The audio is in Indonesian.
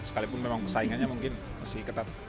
sekalipun memang persaingannya mungkin masih ketat